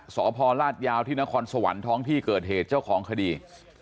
สพลาดยาวที่นครสวรรค์ท้องที่เกิดเหตุเจ้าของคดี